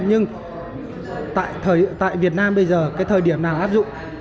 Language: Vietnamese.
nhưng tại việt nam bây giờ cái thời điểm nào áp dụng